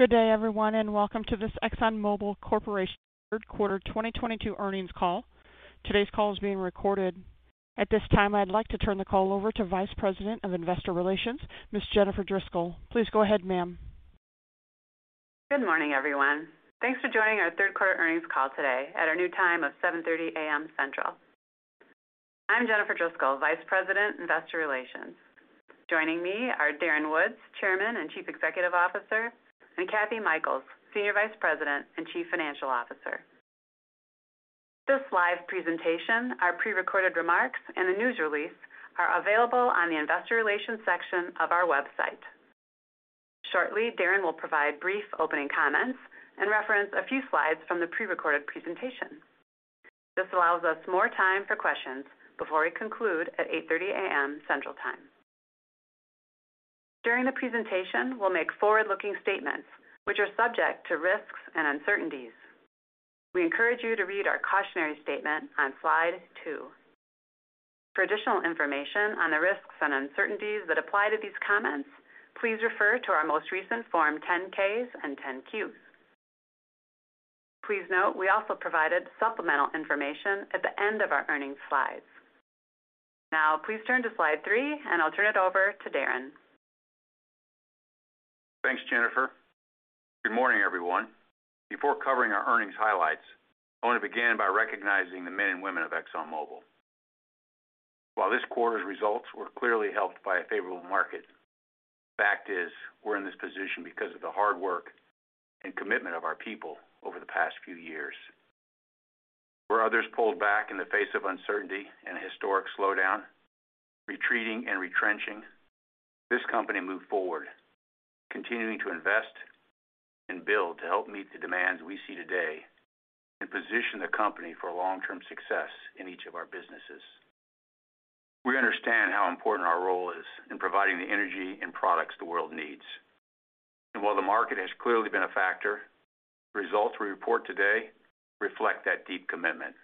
Good day, everyone, and welcome to this ExxonMobil Corporation third quarter 2022 earnings call. Today's call is being recorded. At this time, I'd like to turn the call over to Vice President of Investor Relations, Ms. Jennifer Driscoll. Please go ahead, ma'am. Good morning, everyone. Thanks for joining our third quarter earnings call today at our new time of 7:30 A.M. Central. I'm Jennifer Driscoll, Vice President, Investor Relations. Joining me are Darren Woods, Chairman and Chief Executive Officer, and Kathy Mikells, Senior Vice President and Chief Financial Officer. This live presentation, our prerecorded remarks, and the news release are available on the investor relations section of our website. Shortly, Darren will provide brief opening comments and reference a few slides from the prerecorded presentation. This allows us more time for questions before we conclude at 8:30 A.M. Central Time. During the presentation, we'll make forward-looking statements which are subject to risks and uncertainties. We encourage you to read our cautionary statement on slide two. For additional information on the risks and uncertainties that apply to these comments, please refer to our most recent Form 10-Ks and 10-Qs. Please note we also provided supplemental information at the end of our earnings slides. Now please turn to slide three and I'll turn it over to Darren. Thanks, Jennifer. Good morning, everyone. Before covering our earnings highlights, I want to begin by recognizing the men and women of ExxonMobil. While this quarter's results were clearly helped by a favorable market, the fact is we're in this position because of the hard work and commitment of our people over the past few years. Where others pulled back in the face of uncertainty and a historic slowdown, retreating and retrenching, this company moved forward, continuing to invest and build to help meet the demands we see today and position the company for long-term success in each of our businesses. We understand how important our role is in providing the energy and products the world needs. While the market has clearly been a factor, the results we report today reflect that deep commitment.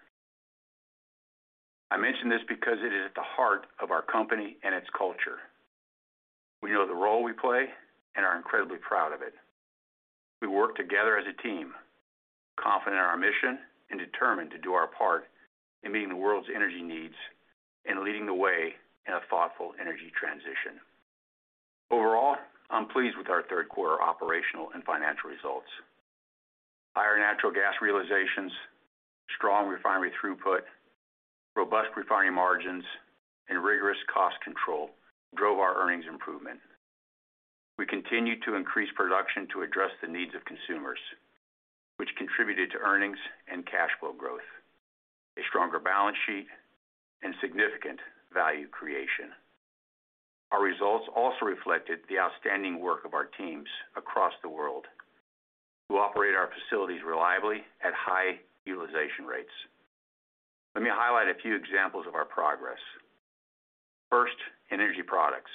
I mention this because it is at the heart of our company and its culture. We know the role we play and are incredibly proud of it. We work together as a team, confident in our mission and determined to do our part in meeting the world's energy needs and leading the way in a thoughtful energy transition. Overall, I'm pleased with our third quarter operational and financial results. Higher natural gas realizations, strong refinery throughput, robust refining margins, and rigorous cost control drove our earnings improvement. We continued to increase production to address the needs of consumers, which contributed to earnings and cash flow growth, a stronger balance sheet, and significant value creation. Our results also reflected the outstanding work of our teams across the world who operate our facilities reliably at high utilization rates. Let me highlight a few examples of our progress. First, in Energy Products.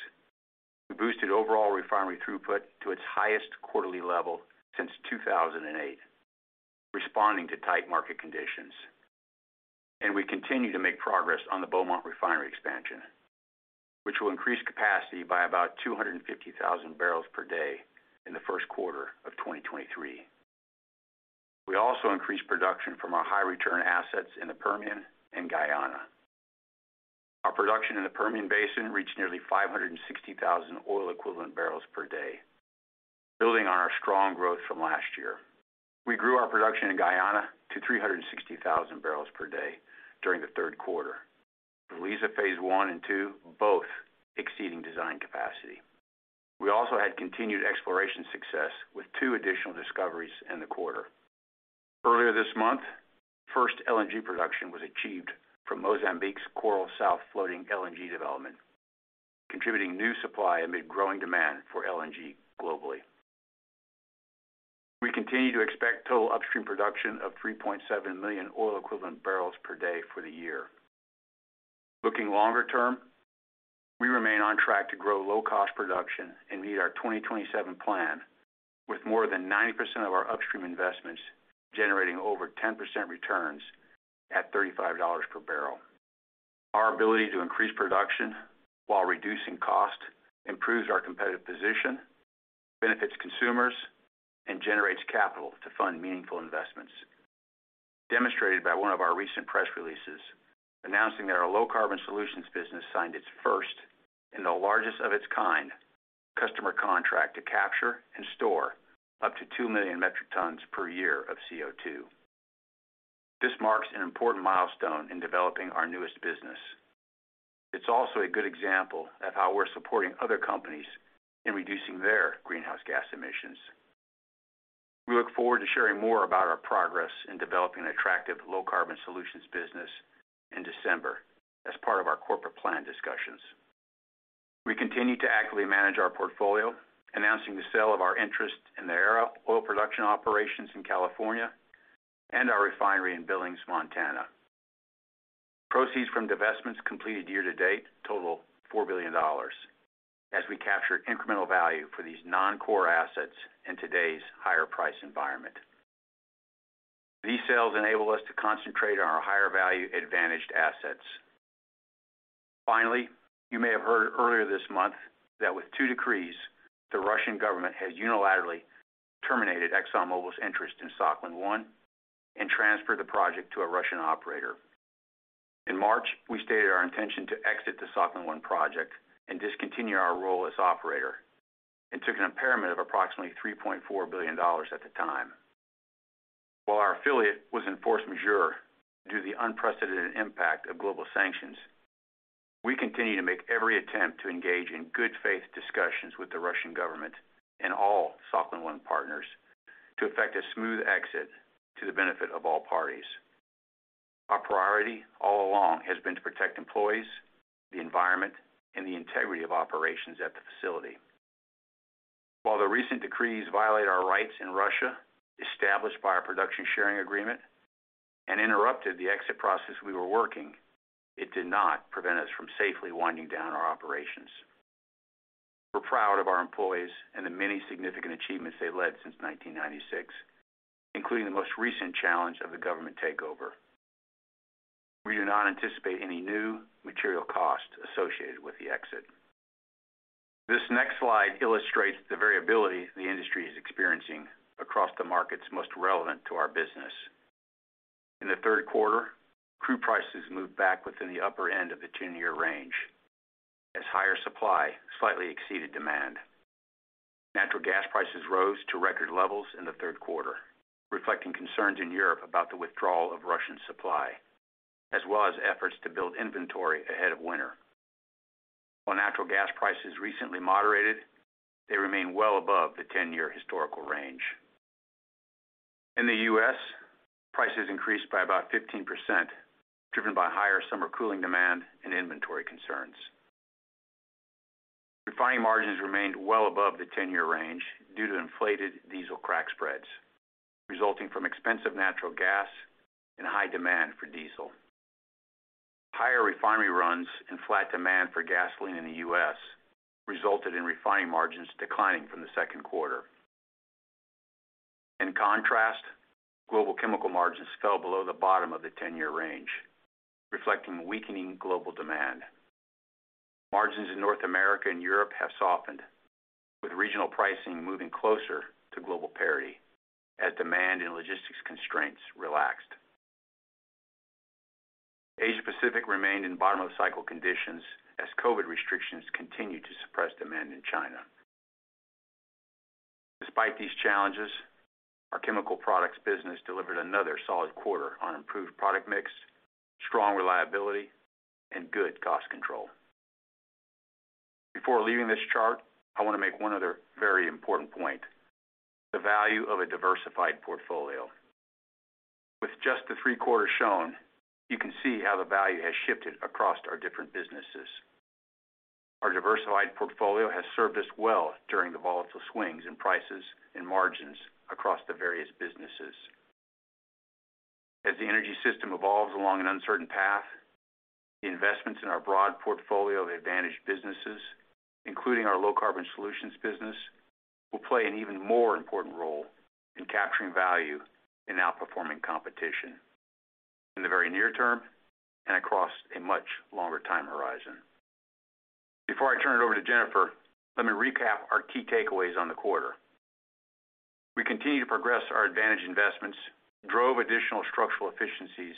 We boosted overall refinery throughput to its highest quarterly level since 2008, responding to tight market conditions. We continue to make progress on the Beaumont Refinery expansion, which will increase capacity by about 250,000 barrels per day in the first quarter of 2023. We also increased production from our high return assets in the Permian and Guyana. Our production in the Permian Basin reached nearly 560,000 oil equivalent barrels per day. Building on our strong growth from last year, we grew our production in Guyana to 360,000 barrels per day during the third quarter, with Liza Phase One and Two both exceeding design capacity. We also had continued exploration success with two additional discoveries in the quarter. Earlier this month, first LNG production was achieved from Mozambique's Coral South floating LNG development, contributing new supply amid growing demand for LNG globally. We continue to expect total upstream production of 3.7 million oil equivalent barrels per day for the year. Looking longer term, we remain on track to grow low-cost production and meet our 2027 plan with more than 90% of our upstream investments generating over 10% returns at $35 per barrel. Our ability to increase production while reducing cost improves our competitive position, benefits consumers, and generates capital to fund meaningful investments. Demonstrated by one of our recent press releases announcing that our Low Carbon Solutions business signed its first and the largest of its kind customer contract to capture and store up to 2 million metric tons per year of CO₂. This marks an important milestone in developing our newest business. It's also a good example of how we're supporting other companies in reducing their greenhouse gas emissions. We look forward to sharing more about our progress in developing attractive low-carbon solutions business in December as part of our corporate plan discussions. We continue to actively manage our portfolio, announcing the sale of our interest in the Aera oil production operations in California and our refinery in Billings, Montana. Proceeds from divestments completed year to date total $4 billion as we capture incremental value for these non-core assets in today's higher price environment. These sales enable us to concentrate on our higher value advantaged assets. Finally, you may have heard earlier this month that with two decrees, the Russian government has unilaterally terminated ExxonMobil's interest in Sakhalin-1 and transferred the project to a Russian operator. In March, we stated our intention to exit the Sakhalin-1 project and discontinue our role as operator, and took an impairment of approximately $3.4 billion at the time. While our affiliate was in force majeure due to the unprecedented impact of global sanctions, we continue to make every attempt to engage in good faith discussions with the Russian government and all Sakhalin-1 partners to effect a smooth exit to the benefit of all parties. Our priority all along has been to protect employees, the environment, and the integrity of operations at the facility. While the recent decrees violate our rights in Russia established by our production sharing agreement and interrupted the exit process we were working, it did not prevent us from safely winding down our operations. We're proud of our employees and the many significant achievements they've led since 1996, including the most recent challenge of the government takeover. We do not anticipate any new material costs associated with the exit. This next slide illustrates the variability the industry is experiencing across the markets most relevant to our business. In the third quarter, crude prices moved back within the upper end of the 10-year range as higher supply slightly exceeded demand. Natural gas prices rose to record levels in the third quarter, reflecting concerns in Europe about the withdrawal of Russian supply, as well as efforts to build inventory ahead of winter. While natural gas prices recently moderated, they remain well above the 10-year historical range. In the U.S., prices increased by about 15%, driven by higher summer cooling demand and inventory concerns. Refining margins remained well above the 10-year range due to inflated diesel crack spreads resulting from expensive natural gas and high demand for diesel. Higher refinery runs and flat demand for gasoline in the U.S. resulted in refining margins declining from the second quarter. In contrast, global Chemical margins fell below the bottom of the ten-year range, reflecting weakening global demand. Margins in North America and Europe have softened, with regional pricing moving closer to global parity as demand and logistics constraints relaxed. Asia Pacific remained in bottom of cycle conditions as COVID restrictions continued to suppress demand in China. Despite these challenges, our Chemical Products business delivered another solid quarter on improved product mix, strong reliability, and good cost control. Before leaving this chart, I wanna make one other very important point, the value of a diversified portfolio. With just the three quarters shown, you can see how the value has shifted across our different businesses. Our diversified portfolio has served us well during the volatile swings in prices and margins across the various businesses. As the energy system evolves along an uncertain path, the investments in our broad portfolio of advantaged businesses, including our Low Carbon Solutions business, will play an even more important role in capturing value in outperforming competition in the very near term and across a much longer time horizon. Before I turn it over to Jennifer, let me recap our key takeaways on the quarter. We continue to progress our advantage investments, drove additional structural efficiencies,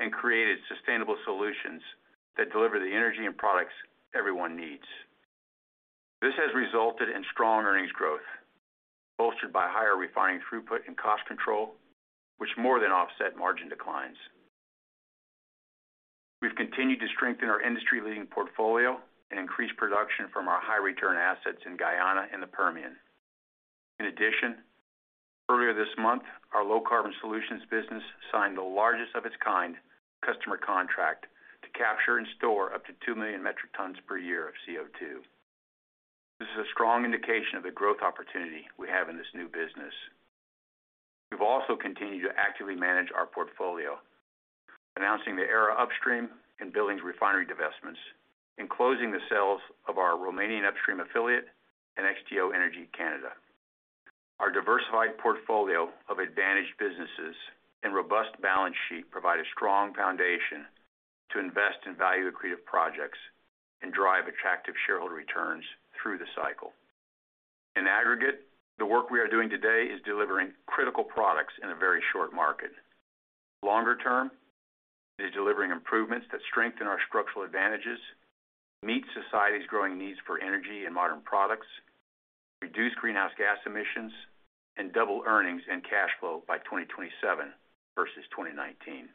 and created sustainable solutions that deliver the energy and products everyone needs. This has resulted in strong earnings growth, bolstered by higher refining throughput and cost control, which more than offset margin declines. We've continued to strengthen our industry-leading portfolio and increase production from our high return assets in Guyana and the Permian. In addition, earlier this month, our Low Carbon Solutions business signed the largest of its kind customer contract to capture and store up to 2 million metric tons per year of CO₂. This is a strong indication of the growth opportunity we have in this new business. We've also continued to actively manage our portfolio, announcing the Aera upstream and Billings refinery divestments, and closing the sales of our Romanian upstream affiliate and XTO Energy Canada. Our diversified portfolio of advantaged businesses and robust balance sheet provide a strong foundation to invest in value accretive projects and drive attractive shareholder returns through the cycle. In aggregate, the work we are doing today is delivering critical products in a very short market. Longer term is delivering improvements that strengthen our structural advantages, meet society's growing needs for energy and modern products, reduce greenhouse gas emissions, and double earnings and cash flow by 2027 versus 2019.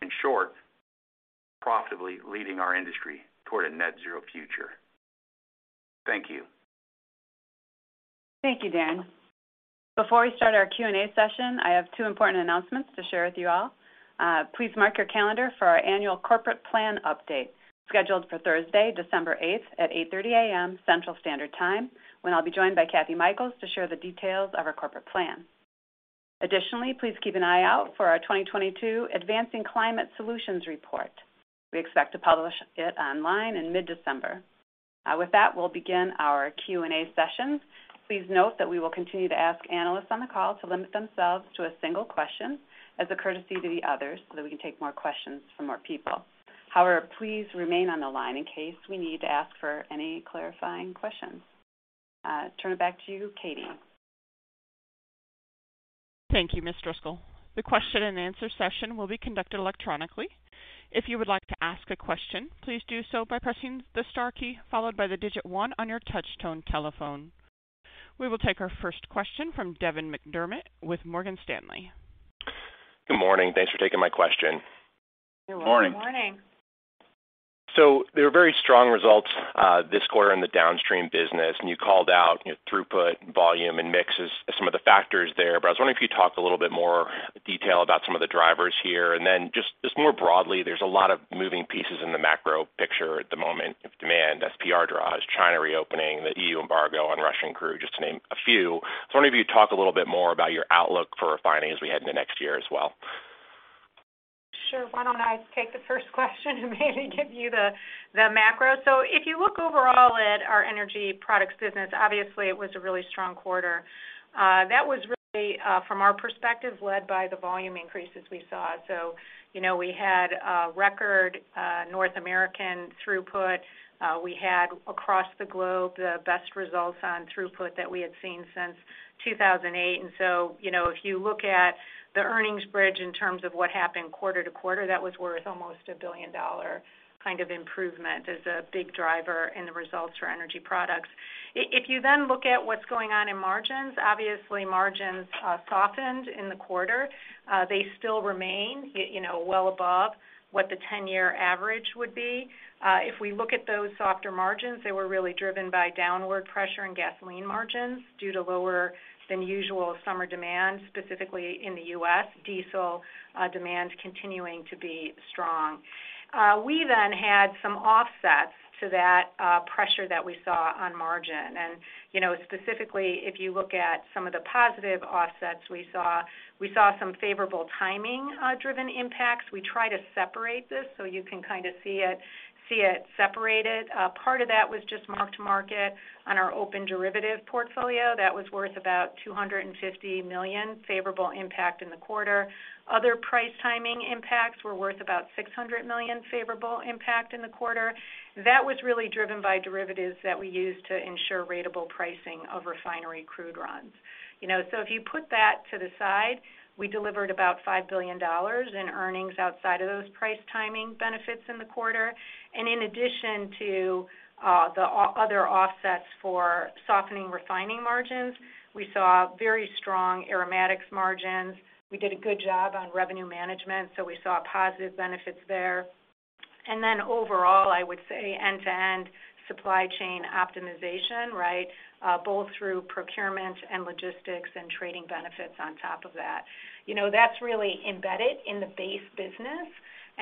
In short, profitably leading our industry toward a net zero future. Thank you. Thank you, Darren. Before we start our Q&A session, I have two important announcements to share with you all. Please mark your calendar for our annual corporate plan update, scheduled for Thursday, December eighth at 8:30 A.M. Central Standard Time, when I'll be joined by Kathy Mikells to share the details of our corporate plan. Additionally, please keep an eye out for our 2022 Advancing Climate Solutions report. We expect to publish it online in mid-December. With that, we'll begin our Q&A session. Please note that we will continue to ask analysts on the call to limit themselves to a single question as a courtesy to the others so that we can take more questions from more people. However, please remain on the line in case we need to ask for any clarifying questions. Turn it back to you, Katie. Thank you, Ms. Driscoll. The question-and-answer session will be conducted electronically. If you would like to ask a question, please do so by pressing the star key followed by the digit one on your touchtone telephone. We will take our first question from Devin McDermott with Morgan Stanley. Good morning. Thanks for taking my question. You're welcome. Good morning. They were very strong results this quarter in the downstream business. You called out throughput, volume, and mix as some of the factors there. I was wondering if you talk a little bit more detail about some of the drivers here. Then just more broadly, there's a lot of moving pieces in the macro picture at the moment of demand. SPR draws, China reopening, the EU embargo on Russian crude, just to name a few. I wonder if you talk a little bit more about your outlook for refining as we head into next year as well. Sure. Why don't I take the first question and maybe give you the macro? If you look overall at our Energy Products business, obviously it was a really strong quarter. That was really from our perspective, led by the volume increases we saw. You know, we had a record North American throughput. We had across the globe, the best results on throughput that we had seen since 2008. You know, if you look at the earnings bridge in terms of what happened quarter-to-quarter, that was worth almost a billion-dollar kind of improvement as a big driver in the results for Energy Products. If you then look at what's going on in margins, obviously margins softened in the quarter. They still remain, you know, well above what the 10-year average would be. If we look at those softer margins, they were really driven by downward pressure in gasoline margins due to lower than usual summer demand, specifically in the U.S. Diesel demand continuing to be strong. We then had some offsets to that pressure that we saw on margin. You know, specifically, if you look at some of the positive offsets we saw, we saw some favorable timing driven impacts. We try to separate this so you can kind of see it separated. Part of that was just mark-to-market on our open derivative portfolio that was worth about $250 million favorable impact in the quarter. Other price timing impacts were worth about $600 million favorable impact in the quarter. That was really driven by derivatives that we use to ensure ratable pricing of refinery crude runs. You know, if you put that to the side, we delivered about $5 billion in earnings outside of those price timing benefits in the quarter. In addition to the other offsets for softening refining margins, we saw very strong aromatics margins. We did a good job on revenue management, so we saw positive benefits there. Overall, I would say end-to-end supply chain optimization, right? Both through procurement and logistics and trading benefits on top of that. You know, that's really embedded in the base business,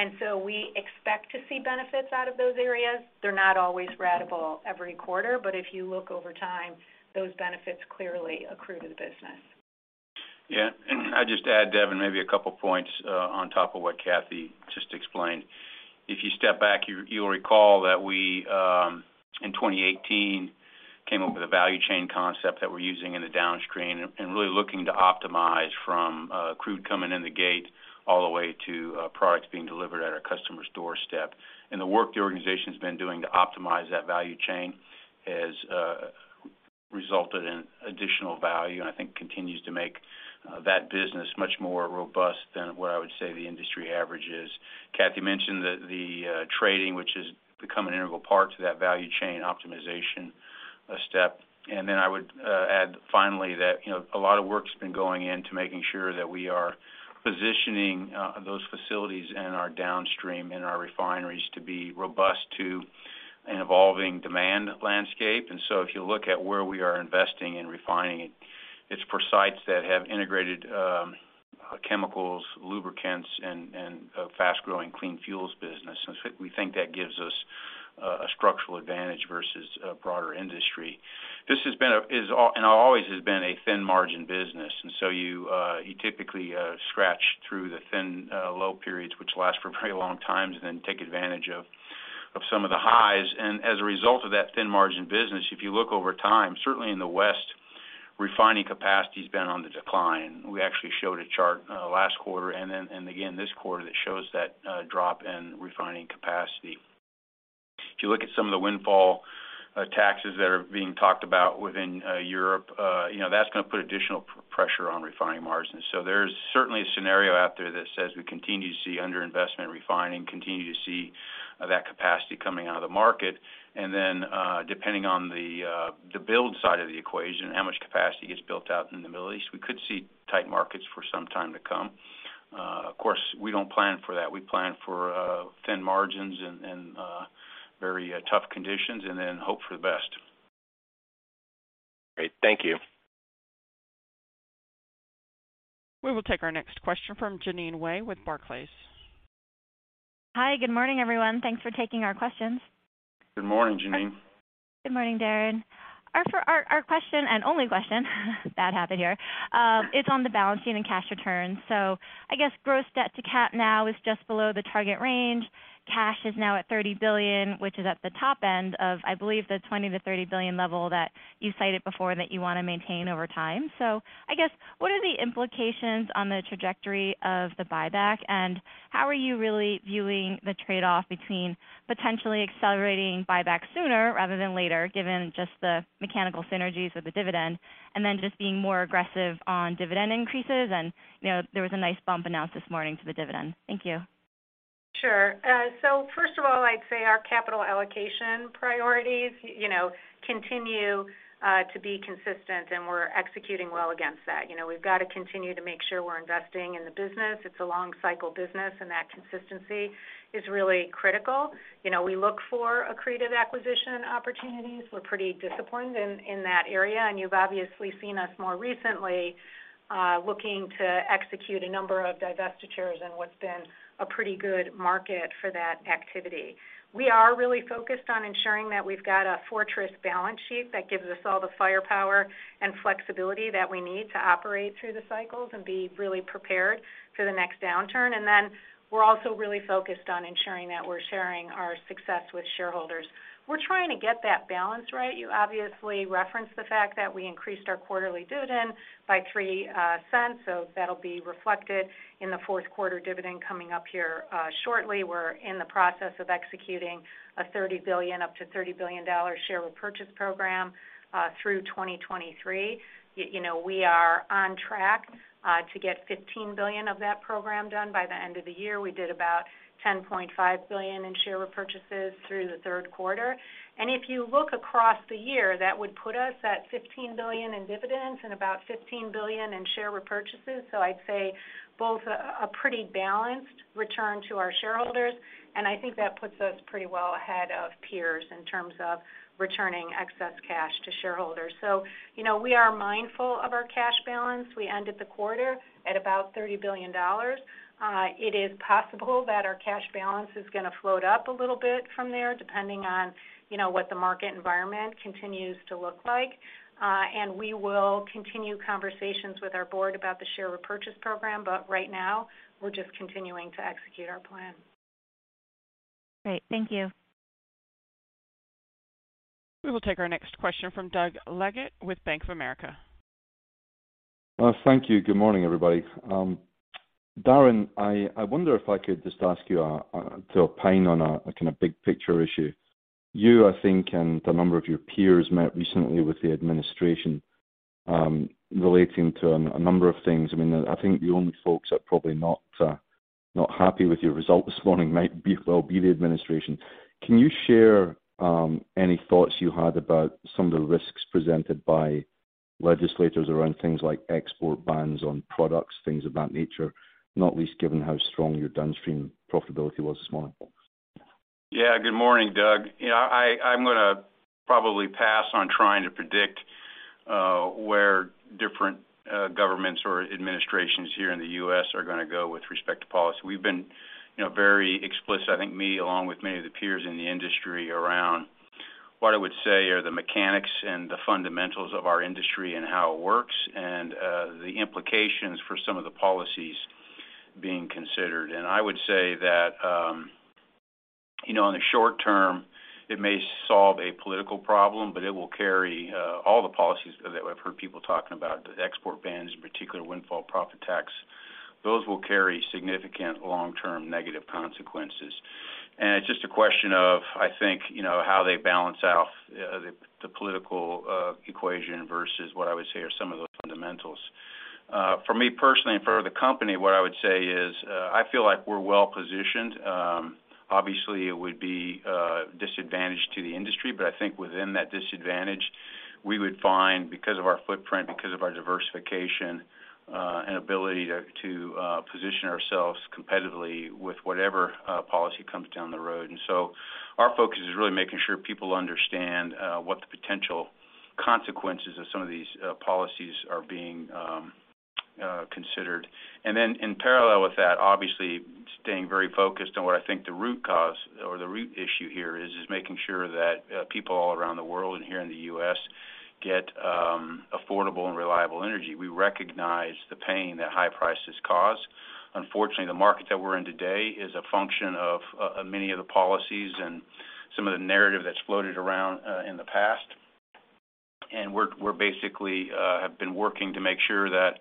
and so we expect to see benefits out of those areas. They're not always ratable every quarter, but if you look over time, those benefits clearly accrue to the business. Yeah. I'd just add, Devin, maybe a couple points on top of what Kathy just explained. If you step back, you'll recall that we in 2018 came up with a value chain concept that we're using in the downstream and really looking to optimize from crude coming in the gate all the way to products being delivered at our customer's doorstep. The work the organization's been doing to optimize that value chain has resulted in additional value and I think continues to make that business much more robust than what I would say the industry average is. Kathy mentioned the trading, which has become an integral part to that value chain optimization step. I would add finally that, you know, a lot of work's been going into making sure that we are positioning those facilities in our downstream, in our refineries to be robust to an evolving demand landscape. If you look at where we are investing in refining, it's for sites that have integrated chemicals, lubricants, and a fast-growing clean fuels business. We think that gives us a structural advantage versus a broader industry. This has been, is, and always has been a thin margin business. You typically scratch through the thin low periods, which last for very long times and then take advantage of some of the highs. As a result of that thin margin business, if you look over time, certainly in the West, refining capacity's been on the decline. We actually showed a chart last quarter and again this quarter that shows that drop in refining capacity. If you look at some of the windfall taxes that are being talked about within Europe, you know, that's gonna put additional pressure on refining margins. There's certainly a scenario out there that says we continue to see under-investment in refining, continue to see that capacity coming out of the market. Depending on the build side of the equation, how much capacity gets built out in the Middle East, we could see tight markets for some time to come. Of course, we don't plan for that. We plan for thin margins and very tough conditions and then hope for the best. Great. Thank you. We will take our next question from Jeanine Wai with Barclays. Hi. Good morning, everyone. Thanks for taking our questions. Good morning, Jeanine. Good morning, Darren. Our question and only question that happened here, it's on the balancing and cash returns. I guess gross debt to cap now is just below the target range. Cash is now at $30 billion, which is at the top end of, I believe, the $20 billion-$30 billion level that you cited before that you wanna maintain over time. I guess, what are the implications on the trajectory of the buyback? And how are you really viewing the trade-off between potentially accelerating buyback sooner rather than later, given just the mechanical synergies with the dividend, and then just being more aggressive on dividend increases? You know, there was a nice bump announced this morning to the dividend. Thank you. Sure. First of all, I'd say our capital allocation priorities, you know, continue to be consistent, and we're executing well against that. You know, we've got to continue to make sure we're investing in the business. It's a long cycle business, and that consistency is really critical. You know, we look for accretive acquisition opportunities. We're pretty disciplined in that area, and you've obviously seen us more recently looking to execute a number of divestitures in what's been a pretty good market for that activity. We are really focused on ensuring that we've got a fortress balance sheet that gives us all the firepower and flexibility that we need to operate through the cycles and be really prepared for the next downturn. We're also really focused on ensuring that we're sharing our success with shareholders. We're trying to get that balance right. You obviously referenced the fact that we increased our quarterly dividend by $0.03, so that'll be reflected in the fourth quarter dividend coming up here shortly. We're in the process of executing a $30 billion, up to $30 billion share repurchase program through 2023. You know, we are on track to get $15 billion of that program done by the end of the year. We did about $10.5 billion in share repurchases through the third quarter. If you look across the year, that would put us at $15 billion in dividends and about $15 billion in share repurchases. I'd say both a pretty balanced return to our shareholders, and I think that puts us pretty well ahead of peers in terms of returning excess cash to shareholders. You know, we are mindful of our cash balance. We ended the quarter at about $30 billion. It is possible that our cash balance is gonna float up a little bit from there, depending on, you know, what the market environment continues to look like. We will continue conversations with our board about the share repurchase program. Right now, we're just continuing to execute our plan. Great. Thank you. We will take our next question from Doug Leggate with Bank of America. Thank you. Good morning, everybody. Darren, I wonder if I could just ask you to opine on a kind of big picture issue. You, I think, and a number of your peers met recently with the administration, relating to a number of things. I mean, I think the only folks that are probably not happy with your result this morning might be the administration. Can you share any thoughts you had about some of the risks presented by legislators around things like export bans on products, things of that nature, not least given how strong your downstream profitability was this morning? Good morning, Doug. You know, I'm gonna probably pass on trying to predict where different governments or administrations here in the U.S. are gonna go with respect to policy. We've been, you know, very explicit, I think me, along with many of the peers in the industry, around what I would say are the mechanics and the fundamentals of our industry and how it works and the implications for some of the policies being considered. I would say that, you know, in the short term, it may solve a political problem, but it will carry all the policies that I've heard people talking about, the export bans, in particular windfall profit tax, those will carry significant long-term negative consequences. It's just a question of, I think, you know, how they balance out the political equation versus what I would say are some of those fundamentals. For me personally and for the company, what I would say is, I feel like we're well-positioned. Obviously it would be a disadvantage to the industry, but I think within that disadvantage, we would find because of our footprint, because of our diversification, and ability to position ourselves competitively with whatever policy comes down the road. Our focus is really making sure people understand what the potential consequences of some of these policies are being considered. In parallel with that, obviously staying very focused on what I think the root cause or the root issue here is making sure that people all around the world and here in the U.S. get affordable and reliable energy. We recognize the pain that high prices cause. Unfortunately, the market that we're in today is a function of many of the policies and some of the narrative that's floated around in the past. We're basically have been working to make sure that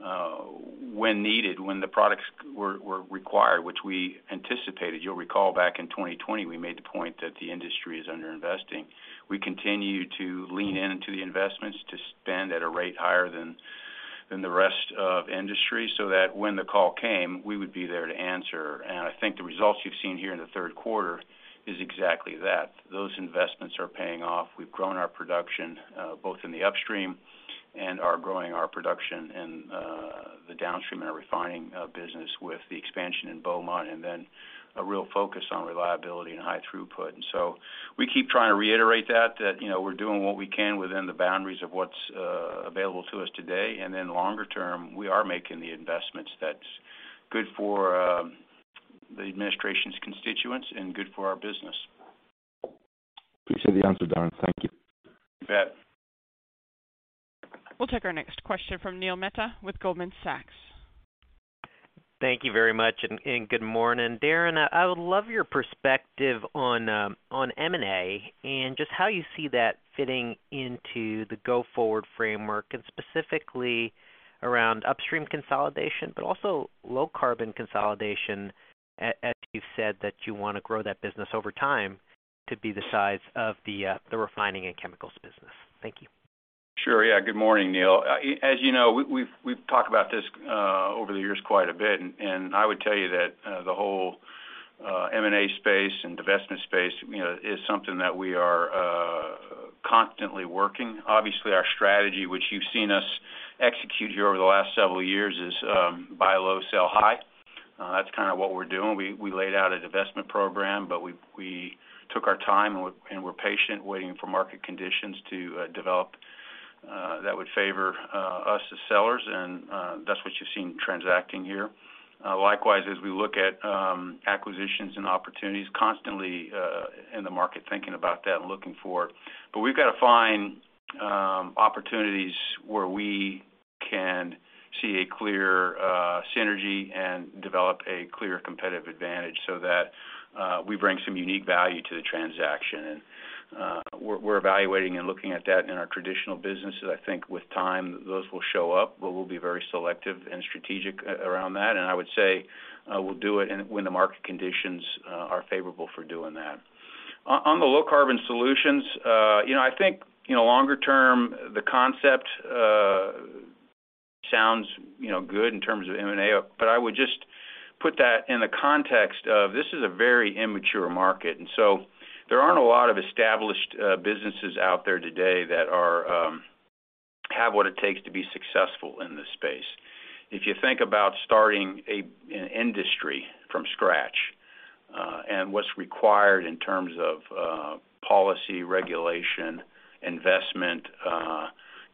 when needed, when the products were required, which we anticipated. You'll recall back in 2020, we made the point that the industry is underinvesting. We continue to lean into the investments to spend at a rate higher than the rest of industry, so that when the call came, we would be there to answer. I think the results you've seen here in the third quarter is exactly that. Those investments are paying off. We've grown our production both in the upstream and are growing our production in the downstream and refining business with the expansion in Beaumont and then a real focus on reliability and high throughput. We keep trying to reiterate that you know, we're doing what we can within the boundaries of what's available to us today. Then longer term, we are making the investments that's good for the administration's constituents and good for our business. Appreciate the answer, Darren. Thank you. You bet. We'll take our next question from Neil Mehta with Goldman Sachs. Thank you very much and good morning. Darren, I would love your perspective on M&A and just how you see that fitting into the go-forward framework, and specifically around upstream consolidation, but also low carbon consolidation, as you've said that you wanna grow that business over time to be the size of the refining and chemicals business. Thank you. Sure. Yeah. Good morning, Neil. As you know, we've talked about this over the years quite a bit, and I would tell you that the whole M&A space and divestment space, you know, is something that we are constantly working. Obviously, our strategy, which you've seen us execute here over the last several years, is buy low, sell high. That's kind of what we're doing. We laid out a divestment program, but we took our time and we're patient waiting for market conditions to develop that would favor us as sellers. That's what you've seen transacting here. Likewise, as we look at acquisitions and opportunities constantly in the market thinking about that and looking for it. We've got to find opportunities where we can see a clear synergy and develop a clear competitive advantage so that we bring some unique value to the transaction. We're evaluating and looking at that in our traditional businesses. I think with time those will show up, but we'll be very selective and strategic around that. I would say we'll do it when the market conditions are favorable for doing that. On the Low Carbon Solutions, you know, I think, you know, longer term, the concept sounds, you know, good in terms of M&A, but I would just put that in the context of this is a very immature market. There aren't a lot of established businesses out there today that are have what it takes to be successful in this space. If you think about starting an industry from scratch, and what's required in terms of policy, regulation, investment,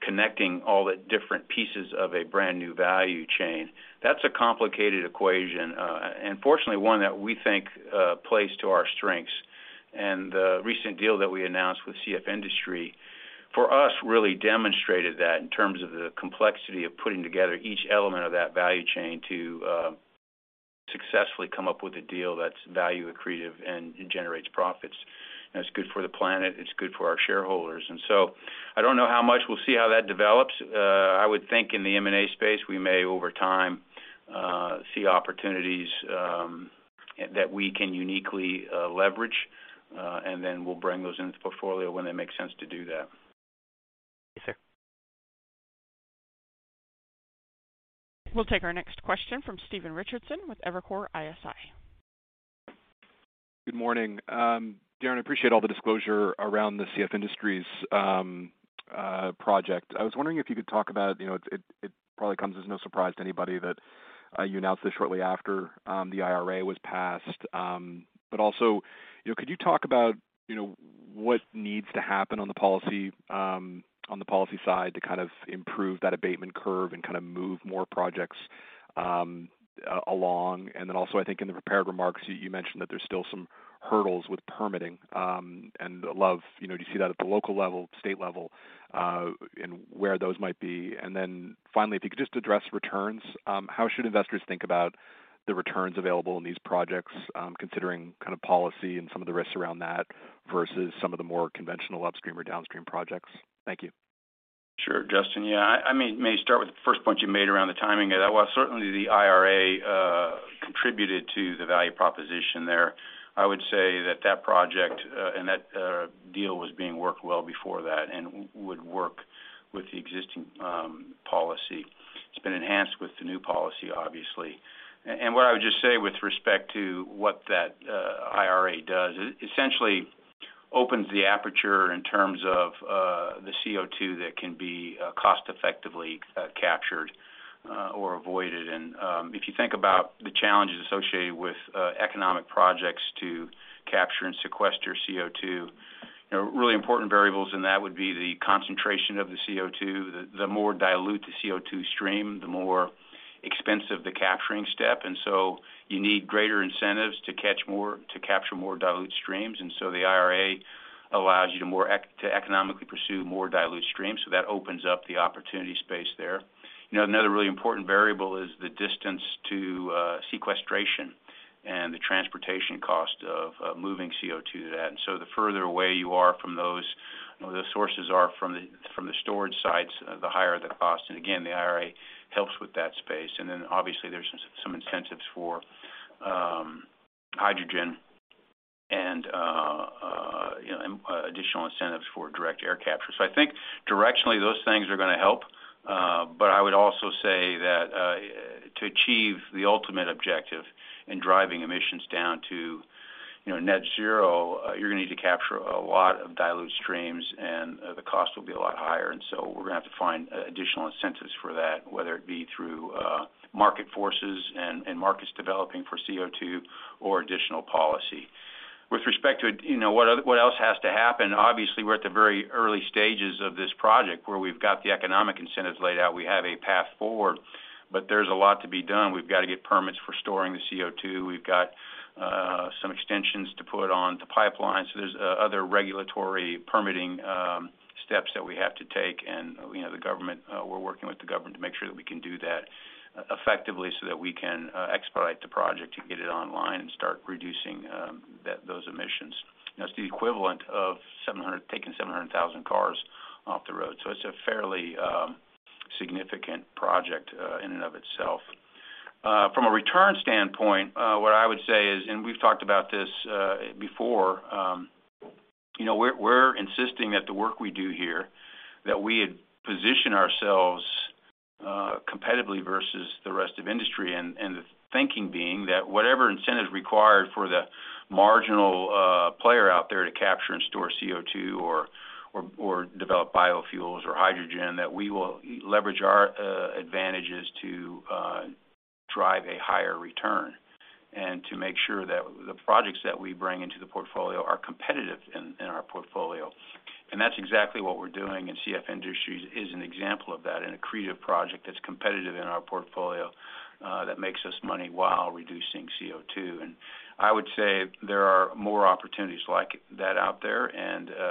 connecting all the different pieces of a brand-new value chain, that's a complicated equation. Fortunately one that we think plays to our strengths. The recent deal that we announced with CF Industries, for us really demonstrated that in terms of the complexity of putting together each element of that value chain to successfully come up with a deal that's value accretive and generates profits. It's good for the planet, it's good for our shareholders. I don't know how much we'll see how that develops. I would think in the M&A space we may over time see opportunities that we can uniquely leverage, and then we'll bring those into the portfolio when it makes sense to do that. Thank you, sir. We'll take our next question from Stephen Richardson with Evercore ISI. Good morning. Darren, I appreciate all the disclosure around the CF Industries project. I was wondering if you could talk about, you know, it probably comes as no surprise to anybody that you announced this shortly after the IRA was passed. Also, you know, could you talk about, you know, what needs to happen on the policy side to kind of improve that abatement curve and kind of move more projects along? Then also I think in the prepared remarks you mentioned that there's still some hurdles with permitting, and I'd love you know, do you see that at the local level, state level, and where those might be? Finally, if you could just address returns, how should investors think about the returns available in these projects, considering kind of policy and some of the risks around that versus some of the more conventional upstream or downstream projects? Thank you. Sure. Stephen, yeah. I may start with the first point you made around the timing. While certainly the IRA contributed to the value proposition there. I would say that project and that deal was being worked well before that and would work with the existing policy. It's been enhanced with the new policy, obviously. What I would just say with respect to what that IRA does, it essentially opens the aperture in terms of the CO₂ that can be cost effectively captured or avoided. If you think about the challenges associated with economic projects to capture and sequester CO₂, you know, really important variables in that would be the concentration of the CO₂. The more dilute the CO₂ stream, the more expensive the capturing step. You need greater incentives to capture more dilute streams. The IRA allows you to economically pursue more dilute streams. That opens up the opportunity space there. Another really important variable is the distance to sequestration and the transportation cost of moving CO₂ to that. The further away you are from those sources from the storage sites, the higher the cost. Again, the IRA helps with that space. Obviously there's some incentives for hydrogen and additional incentives for direct air capture. I think directionally those things are gonna help. I would also say that to achieve the ultimate objective in driving emissions down to, you know, net zero, you're gonna need to capture a lot of dilute streams and the cost will be a lot higher. We're gonna have to find additional incentives for that, whether it be through market forces and markets developing for CO₂ or additional policy. With respect to, you know, what else has to happen, obviously, we're at the very early stages of this project where we've got the economic incentives laid out. We have a path forward, but there's a lot to be done. We've got to get permits for storing the CO₂. We've got some extensions to put on to pipelines. There's other regulatory permitting steps that we have to take. You know, the government, we're working with the government to make sure that we can do that effectively so that we can expedite the project to get it online and start reducing those emissions. That's the equivalent of 700,000 cars off the road. It's a fairly significant project in and of itself. From a return standpoint, what I would say is, we've talked about this before, you know, we're insisting that the work we do here, that we position ourselves competitively versus the rest of industry. The thinking being that whatever incentive required for the marginal player out there to capture and store CO₂ or develop biofuels or hydrogen, that we will leverage our advantages to drive a higher return. To make sure that the projects that we bring into the portfolio are competitive in our portfolio. That's exactly what we're doing, and CF Industries is an example of that in a creative project that's competitive in our portfolio, that makes us money while reducing CO₂. I would say there are more opportunities like that out there.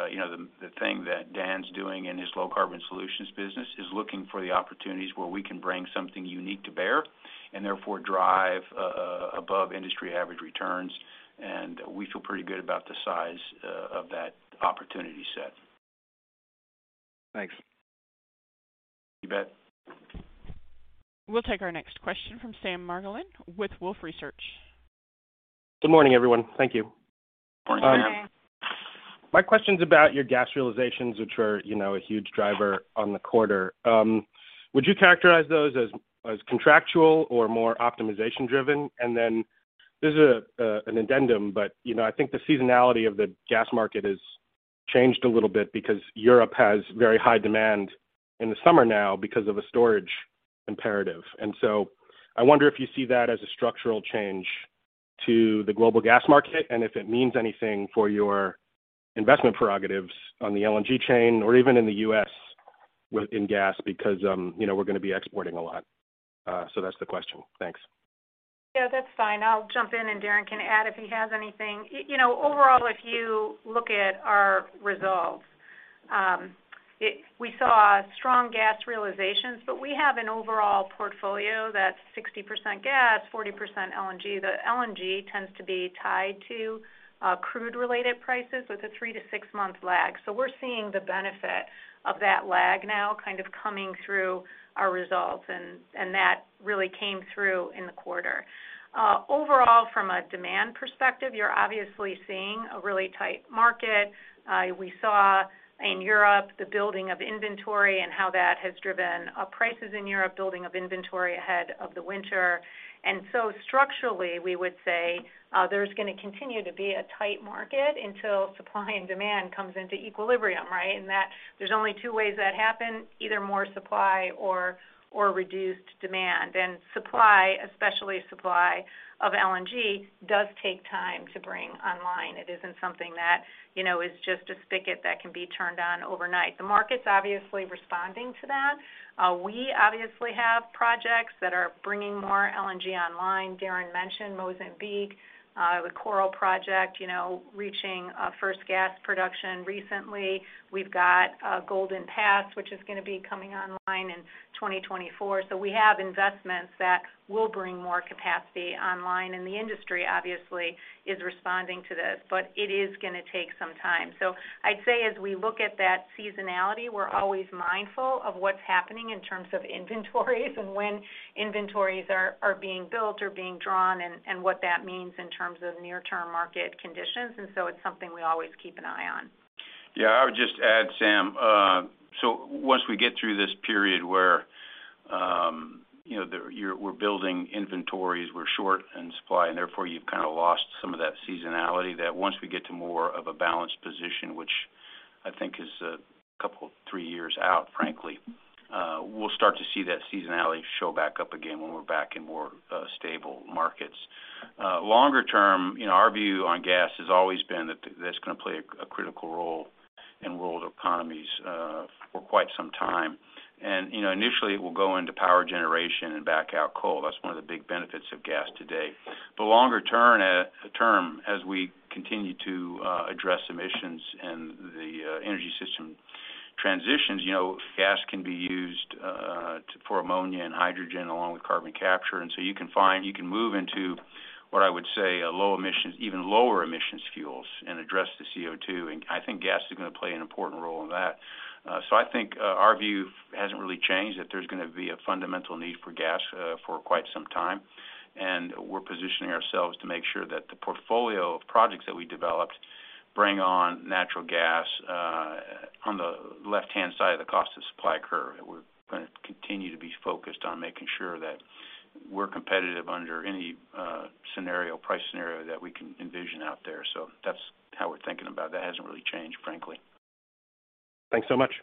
You know, the thing that Dan's doing in his Low Carbon Solutions business is looking for the opportunities where we can bring something unique to bear, and therefore drive above industry average returns. We feel pretty good about the size of that opportunity set. Thanks. You bet. We'll take our next question from Sam Margolin with Wolfe Research. Good morning, everyone. Thank you. Morning, Sam. My question's about your gas realizations, which are, you know, a huge driver on the quarter. Would you characterize those as contractual or more optimization driven? This is an addendum, but, you know, I think the seasonality of the gas market has changed a little bit because Europe has very high demand in the summer now because of a storage imperative. I wonder if you see that as a structural change to the global gas market, and if it means anything for your investment prerogatives on the LNG chain or even in the U.S. in gas, because, you know, we're gonna be exporting a lot. That's the question. Thanks. Yeah, that's fine. I'll jump in and Darren can add if he has anything. You know, overall, if you look at our results, we saw strong gas realizations, but we have an overall portfolio that's 60% gas, 40% LNG. The LNG tends to be tied to crude-related prices with a 3-6-month lag. We're seeing the benefit of that lag now kind of coming through our results, and that really came through in the quarter. Overall, from a demand perspective, you're obviously seeing a really tight market. We saw in Europe the building of inventory and how that has driven prices in Europe, building of inventory ahead of the winter. Structurally, we would say, there's gonna continue to be a tight market until supply and demand comes into equilibrium, right? that there's only two ways that happen, either more supply or reduced demand. Supply, especially supply of LNG, does take time to bring online. It isn't something that, you know, is just a spigot that can be turned on overnight. The market's obviously responding to that. We obviously have projects that are bringing more LNG online. Darren mentioned Mozambique, the Coral project, you know, reaching first gas production recently. We've got Golden Pass, which is gonna be coming online in 2024. We have investments that will bring more capacity online. The industry obviously is responding to this, but it is gonna take some time. I'd say as we look at that seasonality, we're always mindful of what's happening in terms of inventories and when inventories are being built or being drawn, and what that means in terms of near-term market conditions. It's something we always keep an eye on. Yeah. I would just add, Sam, so once we get through this period where, you know, we're building inventories, we're short in supply, and therefore, you've kind of lost some of that seasonality, that once we get to more of a balanced position, which I think is, couple, three years out, frankly, we'll start to see that seasonality show back up again when we're back in more, stable markets. Longer term, you know, our view on gas has always been that's gonna play a critical role in world economies, for quite some time. You know, initially, it will go into power generation and back out coal. That's one of the big benefits of gas today. Longer term, as we continue to address emissions and the energy system transitions, you know, gas can be used for ammonia and hydrogen along with carbon capture. You can move into, what I would say, even lower emissions fuels and address the CO₂. I think gas is gonna play an important role in that. I think our view hasn't really changed, that there's gonna be a fundamental need for gas for quite some time. We're positioning ourselves to make sure that the portfolio of projects that we developed bring on natural gas on the left-hand side of the cost of supply curve. We're gonna continue to be focused on making sure that we're competitive under any scenario, price scenario that we can envision out there. That's how we're thinking about that. That hasn't really changed, frankly. Thanks so much.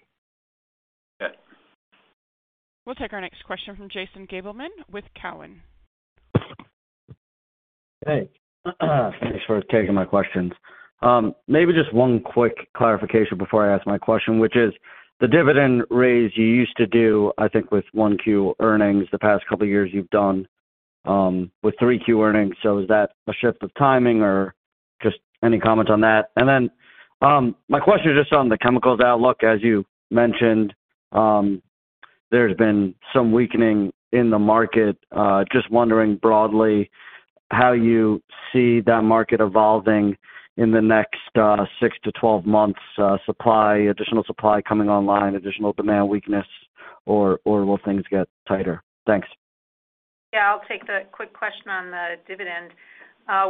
We'll take our next question from Jason Gabelman with Cowen. Hey. Thanks for taking my questions. Maybe just one quick clarification before I ask my question, which is the dividend raise you used to do, I think with 1Q earnings the past couple of years, you've done with 3Q earnings. Is that a shift of timing or just any comment on that? My question is just on the Chemicals outlook. As you mentioned, there's been some weakening in the market. Just wondering broadly how you see that market evolving in the next six to 12 months, supply, additional supply coming online, additional demand weakness, or will things get tighter? Thanks. Yeah, I'll take the quick question on the dividend.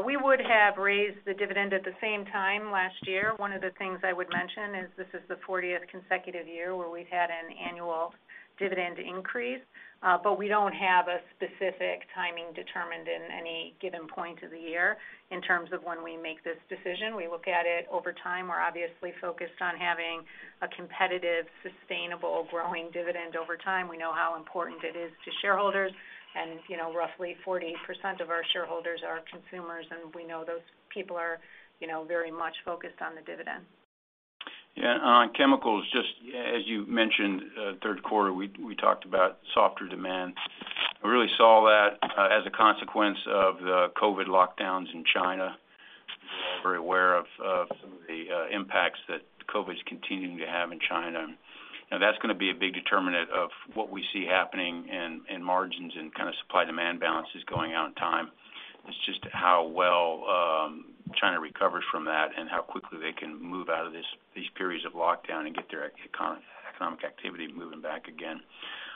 We would have raised the dividend at the same time last year. One of the things I would mention is this is the fortieth consecutive year where we've had an annual dividend increase, but we don't have a specific timing determined in any given point of the year in terms of when we make this decision. We look at it over time. We're obviously focused on having a competitive, sustainable, growing dividend over time. We know how important it is to shareholders. You know, roughly 40% of our shareholders are consumers, and we know those people are, you know, very much focused on the dividend. Yeah. On Chemicals, just as you mentioned, third quarter, we talked about softer demand. We really saw that as a consequence of the COVID lockdowns in China. We're all very aware of some of the impacts that COVID is continuing to have in China. Now, that's gonna be a big determinant of what we see happening in margins and kind of supply-demand balance is going out in time. It's just how well China recovers from that and how quickly they can move out of these periods of lockdown and get their economic activity moving back again.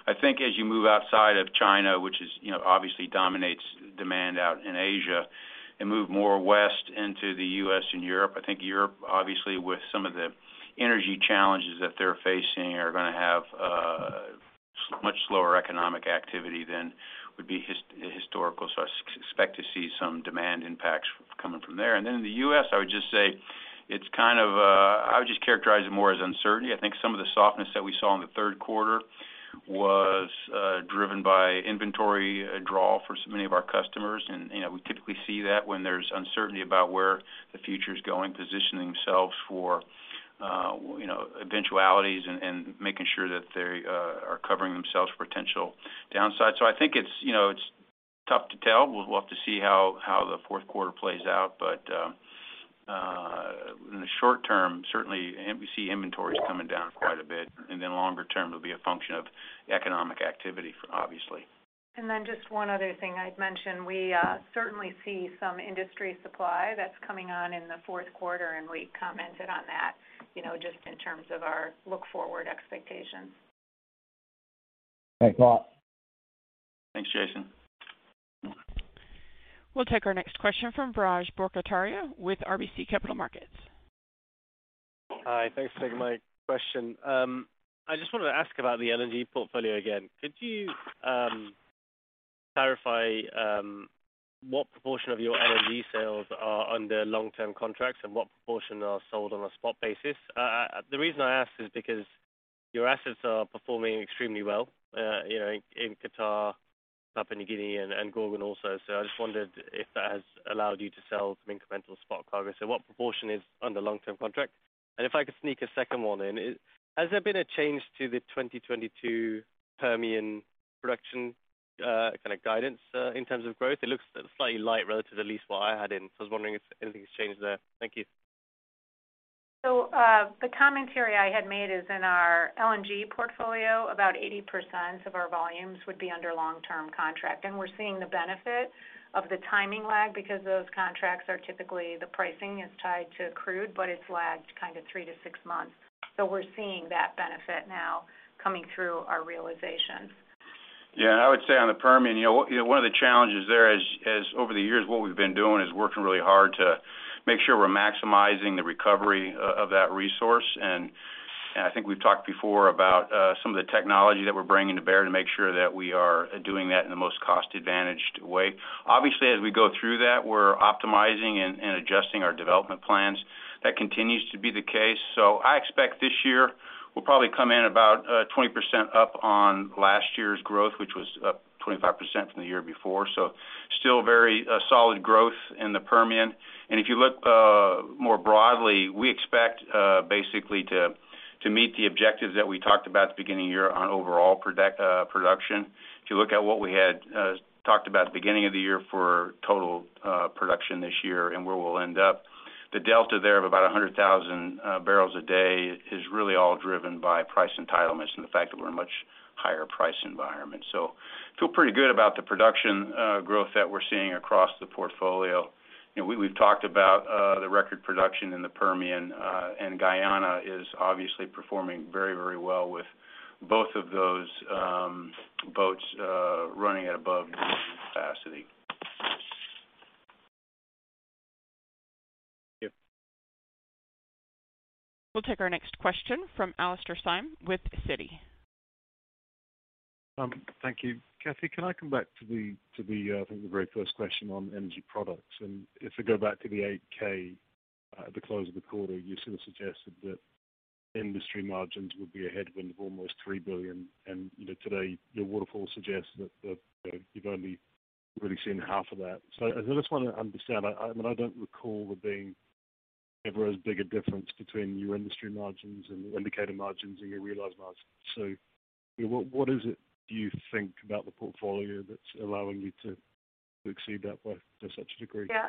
I think as you move outside of China, which is, you know, obviously dominates demand out in Asia and move more west into the U.S. and Europe, I think Europe, obviously, with some of the energy challenges that they're facing, are gonna have much slower economic activity than would be historical. I expect to see some demand impacts coming from there. In the U.S., I would just say it's kind of, I would just characterize it more as uncertainty. I think some of the softness that we saw in the third quarter was driven by inventory draw for so many of our customers. You know, we typically see that when there's uncertainty about where the future is going, positioning themselves for, you know, eventualities and making sure that they are covering themselves for potential downsides. I think it's, you know, it's tough to tell. We'll have to see how the fourth quarter plays out. In the short term, certainly, we see inventories coming down quite a bit, and then longer term, it'll be a function of economic activity, obviously. Just one other thing I'd mention, we certainly see some industry supply that's coming on in the fourth quarter, and we commented on that, you know, just in terms of our forward-looking expectations. Thanks a lot. Thanks, Jason. We'll take our next question from Biraj Borkhataria with RBC Capital Markets. Hi. Thanks for taking my question. I just wanted to ask about the LNG portfolio again. Could you clarify what proportion of your LNG sales are under long-term contracts and what proportion are sold on a spot basis? The reason I ask is because your assets are performing extremely well, you know, in Qatar, Papua New Guinea, and Gorgon also. I just wondered if that has allowed you to sell some incremental spot cargo. What proportion is under long-term contract? If I could sneak a second one in. Has there been a change to the 2022 Permian production kind of guidance in terms of growth? It looks slightly light relative to at least what I had in. I was wondering if anything's changed there. Thank you. The commentary I had made is in our LNG portfolio, about 80% of our volumes would be under long-term contract. We're seeing the benefit of the timing lag because those contracts are typically the pricing is tied to crude, but it's lagged kind of 3-6 months. We're seeing that benefit now coming through our realization. Yeah. I would say on the Permian, you know, one of the challenges there is over the years, what we've been doing is working really hard to make sure we're maximizing the recovery of that resource. I think we've talked before about some of the technology that we're bringing to bear to make sure that we are doing that in the most cost-advantaged way. Obviously, as we go through that, we're optimizing and adjusting our development plans. That continues to be the case. I expect this year we'll probably come in about 20% up on last year's growth, which was up 25% from the year before. Still very solid growth in the Permian. If you look more broadly, we expect to meet the objectives that we talked about at the beginning of the year on overall production. If you look at what we had talked about at the beginning of the year for total production this year and where we'll end up, the delta there of about 100,000 barrels a day is really all driven by price entitlements and the fact that we're in a much higher price environment. Feel pretty good about the production growth that we're seeing across the portfolio. You know, we've talked about the record production in the Permian, and Guyana is obviously performing very well with both of those boats running at above capacity. Thank you. We'll take our next question from Alastair Syme with Citi. Thank you. Kathy, can I come back to the I think the very first question on Energy Products? If we go back to the Form 8-K. At the close of the quarter, you sort of suggested that industry margins would be a headwind of almost $3 billion. You know, today your waterfall suggests that you know, you've only really seen half of that. I just wanna understand. I mean, I don't recall there being ever as big a difference between your industry margins and indicator margins and your realized margins. What is it do you think about the portfolio that's allowing you to exceed that by such a degree? Yeah.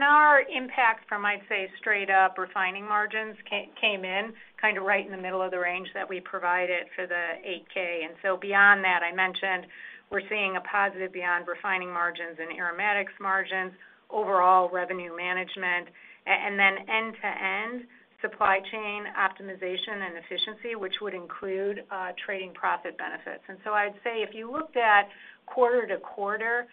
Our impact from, I'd say, straight up refining margins came in kind of right in the middle of the range that we provided for the Form 8-K. Beyond that, I mentioned we're seeing a positive beyond refining margins and aromatics margins, overall revenue management, and then end-to-end supply chain optimization and efficiency, which would include trading profit benefits. I'd say if you looked at quarter-to-quarter,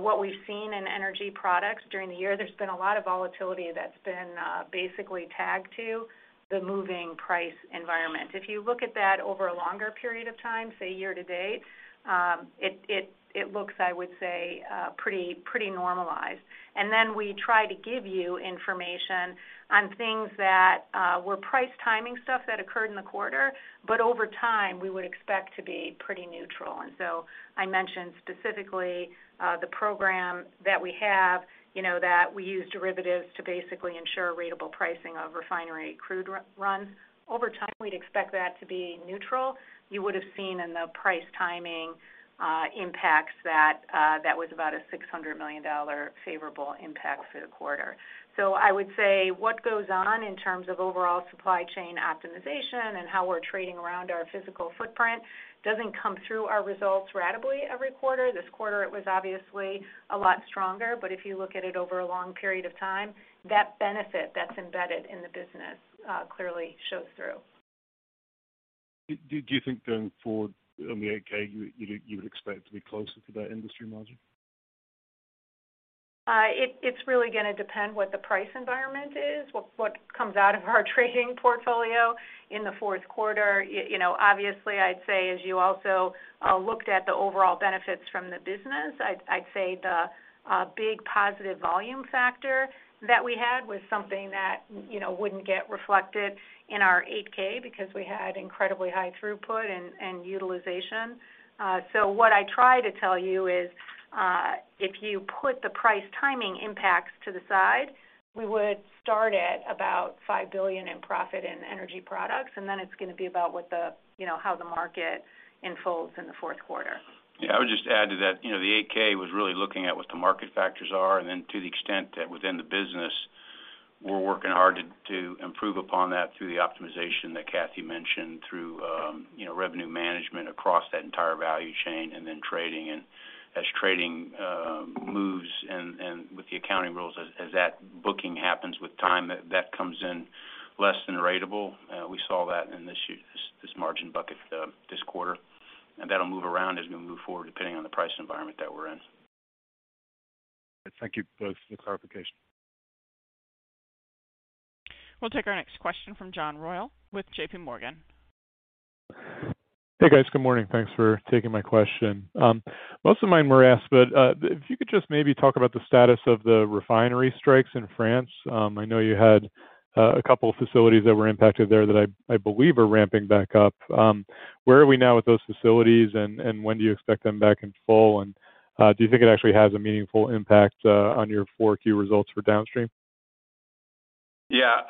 what we've seen in Energy Products during the year, there's been a lot of volatility that's been basically tagged to the moving price environment. If you look at that over a longer period of time, say year-to-date, it looks, I would say, pretty normalized. We try to give you information on things that were price timing stuff that occurred in the quarter, but over time, we would expect to be pretty neutral. I mentioned specifically the program that we have, you know, that we use derivatives to basically ensure ratable pricing of refinery crude runs. Over time, we'd expect that to be neutral. You would have seen in the price timing impacts that that was about a $600 million favorable impact for the quarter. I would say what goes on in terms of overall supply chain optimization and how we're trading around our physical footprint doesn't come through our results ratably every quarter. This quarter it was obviously a lot stronger, but if you look at it over a long period of time, that benefit that's embedded in the business, clearly shows through. Do you think going forward on the Form 8-K, you would expect to be closer to that industry margin? It's really gonna depend what the price environment is, what comes out of our trading portfolio in the fourth quarter. You know, obviously, I'd say as you also looked at the overall benefits from the business, I'd say the big positive volume factor that we had was something that, you know, wouldn't get reflected in our Form 8-K because we had incredibly high throughput and utilization. What I try to tell you is, if you put the price timing impacts to the side, we would start at about $5 billion in profit in Energy Products, and then it's gonna be about what the, you know, how the market unfolds in the fourth quarter. Yeah. I would just add to that. You know, the Form 8-K was really looking at what the market factors are, and then to the extent that within the business we're working hard to improve upon that through the optimization that Kathy mentioned, through you know, revenue management across that entire value chain and then trading. As trading moves and with the accounting rules, as that booking happens with time, that comes in less than ratable. We saw that in this margin bucket, this quarter. That'll move around as we move forward, depending on the price environment that we're in. Thank you both for the clarification. We'll take our next question from John Royall with JPMorgan. Hey, guys. Good morning. Thanks for taking my question. Most of mine were asked, but if you could just maybe talk about the status of the refinery strikes in France. I know you had a couple of facilities that were impacted there that I believe are ramping back up. Where are we now with those facilities, and when do you expect them back in full? And do you think it actually has a meaningful impact on your 4Q results for downstream? Yeah.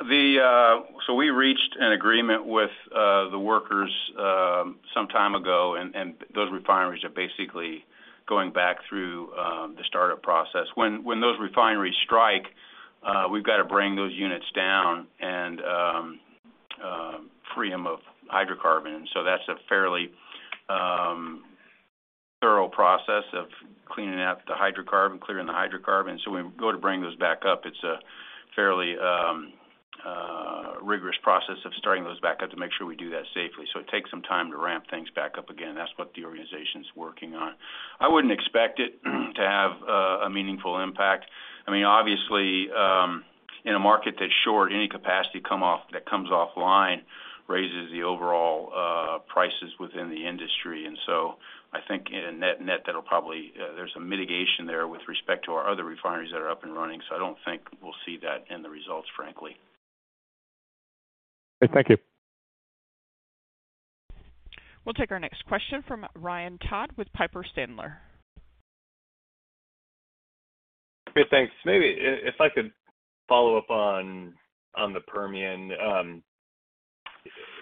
We reached an agreement with the workers some time ago, and those refineries are basically going back through the startup process. When those refineries strike, we've got to bring those units down and free them of hydrocarbon. That's a fairly thorough process of cleaning out the hydrocarbon, clearing the hydrocarbon. When we go to bring those back up, it's a fairly rigorous process of starting those back up to make sure we do that safely. It takes some time to ramp things back up again. That's what the organization's working on. I wouldn't expect it to have a meaningful impact. I mean, obviously, in a market that's short, any capacity that comes offline raises the overall prices within the industry. I think in a net-net, that'll probably there's some mitigation there with respect to our other refineries that are up and running. I don't think we'll see that in the results, frankly. Okay. Thank you. We'll take our next question from Ryan Todd with Piper Sandler. Okay, thanks. Maybe if I could follow up on the Permian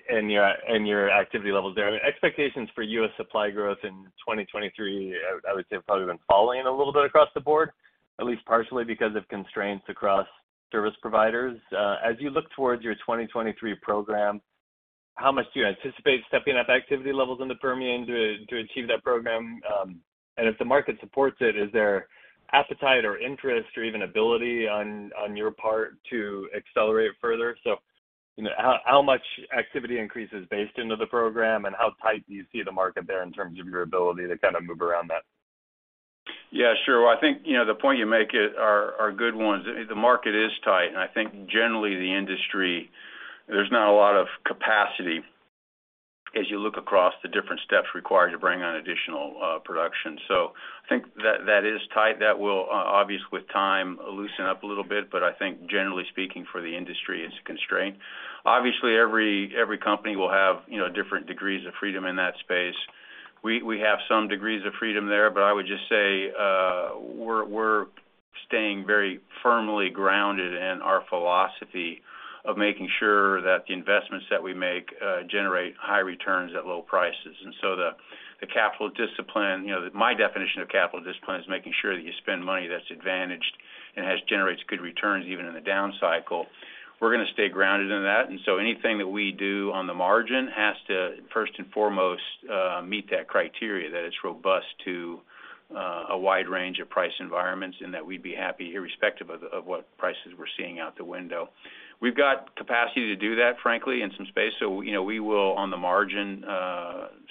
and your activity levels there. I mean, expectations for U.S. supply growth in 2023, I would say, have probably been falling a little bit across the board, at least partially because of constraints across service providers. As you look towards your 2023 program, how much do you anticipate stepping up activity levels in the Permian to achieve that program? And if the market supports it, is there appetite or interest or even ability on your part to accelerate it further? You know, how much activity increase is based into the program, and how tight do you see the market there in terms of your ability to kind of move around that? Yeah, sure. Well, I think, you know, the points you make there are good ones. The market is tight, and I think generally the industry, there's not a lot of capacity. As you look across the different steps required to bring on additional production. I think that is tight. That will obviously with time loosen up a little bit, but I think generally speaking for the industry is a constraint. Obviously, every company will have, you know, different degrees of freedom in that space. We have some degrees of freedom there, but I would just say, we're staying very firmly grounded in our philosophy of making sure that the investments that we make generate high returns at low prices. The capital discipline, you know, my definition of capital discipline is making sure that you spend money that's advantaged and generates good returns even in a down cycle. We're gonna stay grounded in that. Anything that we do on the margin has to first and foremost meet that criteria that it's robust to a wide range of price environments and that we'd be happy irrespective of what prices we're seeing out the window. We've got capacity to do that, frankly, and some space. You know, we will on the margin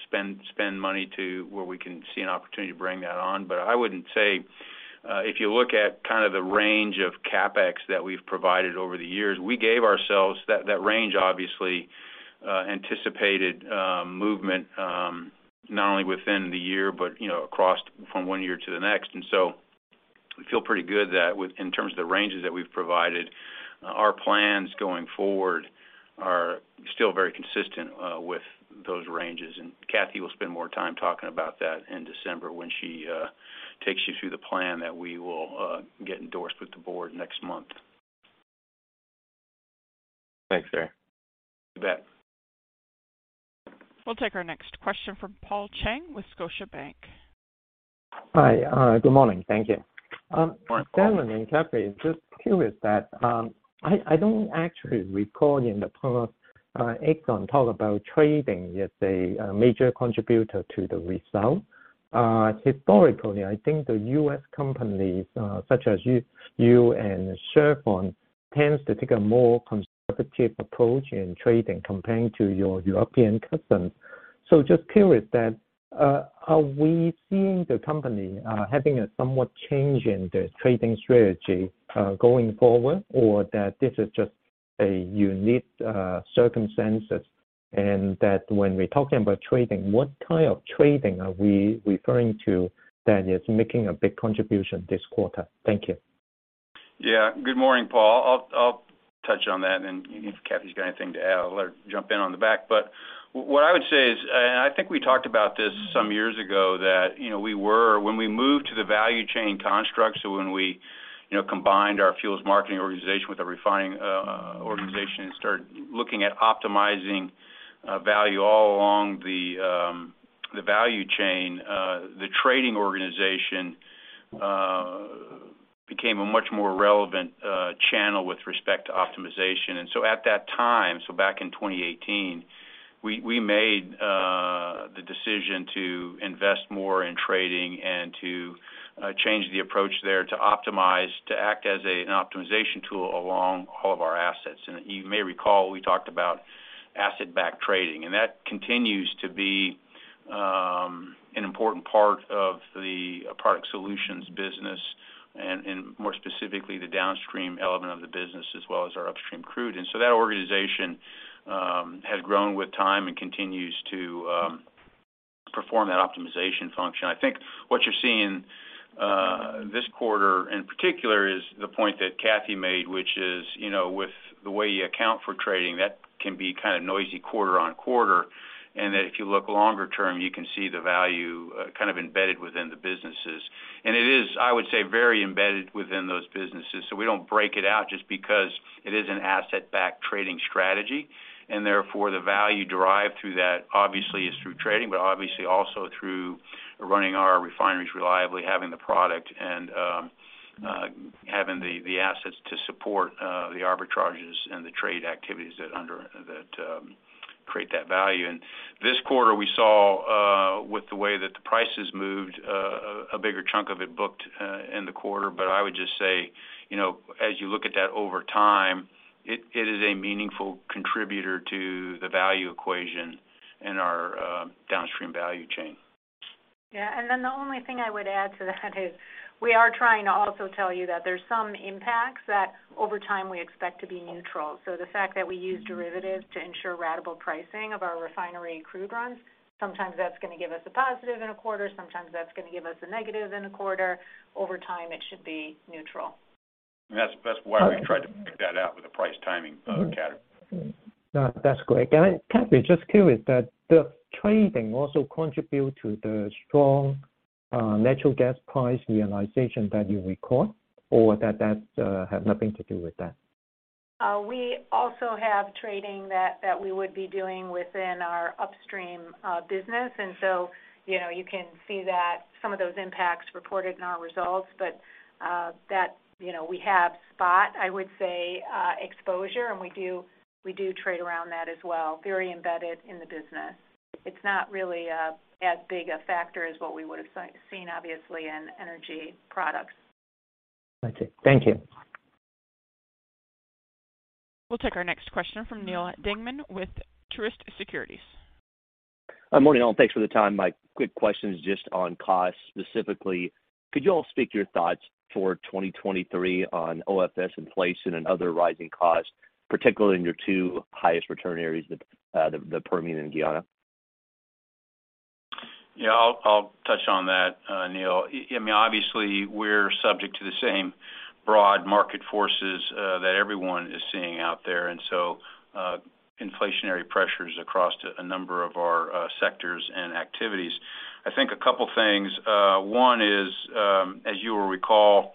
spend money to where we can see an opportunity to bring that on. I wouldn't say, if you look at kind of the range of CapEx that we've provided over the years, we gave ourselves that range obviously anticipated movement, not only within the year but, you know, across from one year to the next. We feel pretty good that in terms of the ranges that we've provided, our plans going forward are still very consistent with those ranges. Kathy will spend more time talking about that in December when she takes you through the plan that we will get endorsed with the board next month. Thanks, Darren. You bet. We'll take our next question from Paul Cheng with Scotiabank. Hi. Good morning. Thank you. Good morning, Paul. Darren and Kathy, just curious that, I don't actually recall in the past, Exxon talk about trading as a major contributor to the result. Historically, I think the U.S. companies, such as you and Chevron tends to take a more conservative approach in trading comparing to your European cousins. Just curious then, are we seeing the company having a somewhat change in the trading strategy going forward? Or that this is just a unique circumstances and that when we're talking about trading, what type of trading are we referring to that is making a big contribution this quarter? Thank you. Yeah. Good morning, Paul. I'll touch on that and if Kathy's got anything to add, I'll let her jump in on the back. But what I would say is, and I think we talked about this some years ago, that, you know, we were when we moved to the value chain construct, so when we, you know, combined our fuels marketing organization with the refining organization and started looking at optimizing value all along the value chain, the trading organization became a much more relevant channel with respect to optimization. At that time, so back in 2018, we made the decision to invest more in trading and to change the approach there to optimize, to act as an optimization tool along all of our assets. You may recall we talked about asset-backed trading, and that continues to be an important part of the Product Solutions business and, more specifically, the downstream element of the business as well as our upstream crude. That organization has grown with time and continues to perform that optimization function. I think what you're seeing this quarter in particular is the point that Kathy made, which is, with the way you account for trading, that can be kind of noisy quarter-on-quarter. That if you look longer term, you can see the value kind of embedded within the businesses. It is, I would say, very embedded within those businesses. We don't break it out just because it is an asset backed trading strategy and therefore the value derived through that obviously is through trading, but obviously also through running our refineries reliably, having the product and having the assets to support the arbitrages and the trade activities that create that value. This quarter we saw with the way that the prices moved a bigger chunk of it booked in the quarter. I would just say, you know, as you look at that over time, it is a meaningful contributor to the value equation in our downstream value chain. Yeah. Then the only thing I would add to that is we are trying to also tell you that there's some impacts that over time we expect to be neutral. The fact that we use derivatives to ensure ratable pricing of our refinery crude runs, sometimes that's gonna give us a positive in a quarter, sometimes that's gonna give us a negative in a quarter. Over time, it should be neutral. That's why we've tried to pick that out with the price timing category. That's great. Kathy, just curious that the trading also contribute to the strong natural gas price realization that you recall or that have nothing to do with that? We also have trading that we would be doing within our upstream business. You know, you can see that some of those impacts reported in our results. That you know, we have spot, I would say, exposure, and we do trade around that as well, very embedded in the business. It's not really as big a factor as what we would have seen obviously in Energy Products. Got you. Thank you. We'll take our next question from Neal Dingmann with Truist Securities. Morning, all. Thanks for the time. My quick question is just on costs specifically. Could you all speak your thoughts for 2023 on OFS inflation and other rising costs, particularly in your two highest return areas, the Permian and Guyana? Yeah, I'll touch on that, Neal. I mean, obviously, we're subject to the same broad market forces that everyone is seeing out there. Inflationary pressures across a number of our sectors and activities. I think a couple things. One is, as you will recall,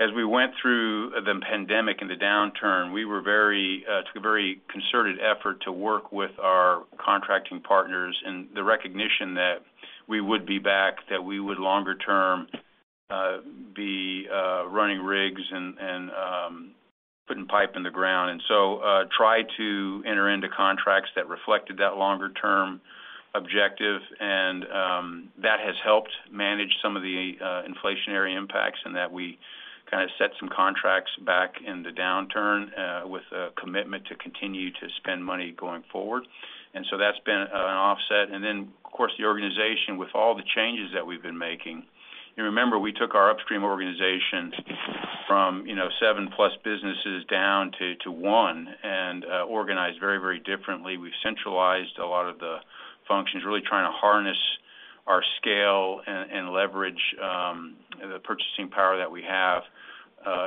as we went through the pandemic and the downturn, we took a very concerted effort to work with our contracting partners in the recognition that we would be back, that we would longer term be running rigs and putting pipe in the ground. Tried to enter into contracts that reflected that longer term objective. That has helped manage some of the inflationary impacts, in that we kinda set some contracts back in the downturn with a commitment to continue to spend money going forward. That's been an offset. Then, of course, the organization with all the changes that we've been making. Remember, we took our upstream organization from, you know, seven-plus businesses down to one, and organized very differently. We've centralized a lot of the functions, really trying to harness our scale and leverage the purchasing power that we have,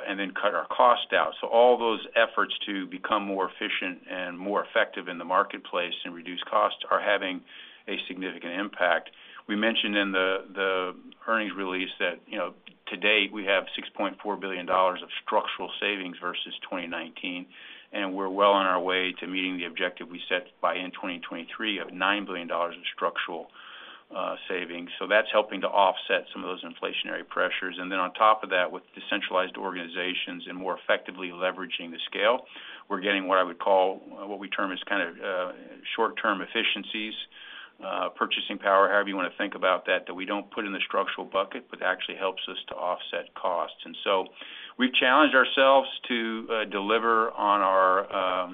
and then cut our costs down. All those efforts to become more efficient and more effective in the marketplace and reduce costs are having a significant impact. We mentioned in the earnings release that, you know, to date, we have $6.4 billion of structural savings versus 2019, and we're well on our way to meeting the objective we set by end of 2023 of $9 billion in structural savings. That's helping to offset some of those inflationary pressures. Then on top of that, with the centralized organizations and more effectively leveraging the scale, we're getting what I would call, what we term as kind of short-term efficiencies, purchasing power, however you wanna think about that we don't put in the structural bucket, but actually helps us to offset costs. We've challenged ourselves to deliver on our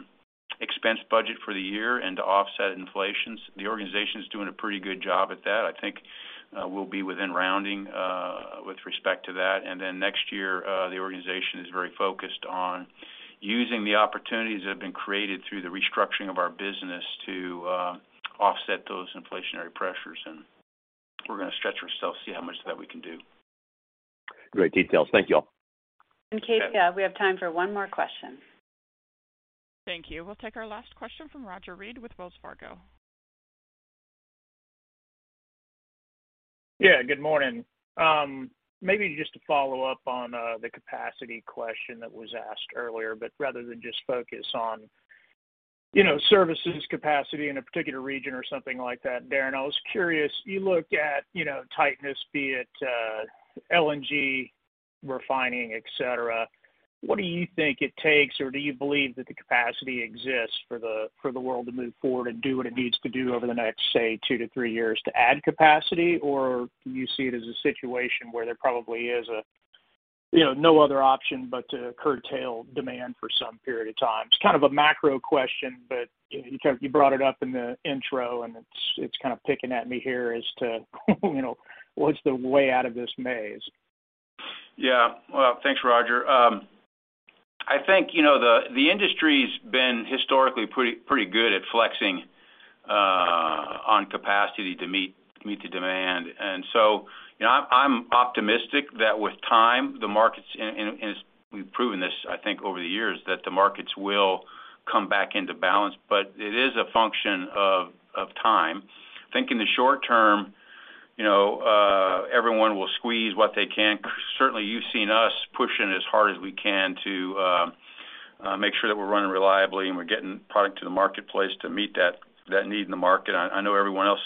expense budget for the year and to offset inflation. The organization's doing a pretty good job at that. I think, we'll be within rounding, with respect to that. Then next year, the organization is very focused on using the opportunities that have been created through the restructuring of our business to offset those inflationary pressures. We're gonna stretch ourselves, see how much that we can do. Great details. Thank you all. Katie, we have time for one more question. Thank you. We'll take our last question from Roger Read with Wells Fargo. Yeah, good morning. Maybe just to follow up on the capacity question that was asked earlier, but rather than just focus on, you know, services capacity in a particular region or something like that, Darren, I was curious. You look at, you know, tightness, be it LNG refining, et cetera, what do you think it takes, or do you believe that the capacity exists for the world to move forward and do what it needs to do over the next, say, two to three years to add capacity, or do you see it as a situation where there probably is a, you know, no other option but to curtail demand for some period of time? It's kind of a macro question, but you brought it up in the intro, and it's kind of picking at me here as to you know, what's the way out of this maze? Yeah. Well, thanks, Roger. I think, you know, the industry's been historically pretty good at flexing on capacity to meet the demand. You know, I'm optimistic that with time, the markets, we've proven this, I think, over the years, that the markets will come back into balance. It is a function of time. I think in the short term, you know, everyone will squeeze what they can. Certainly, you've seen us pushing as hard as we can to make sure that we're running reliably and we're getting product to the marketplace to meet that need in the market. I know everyone else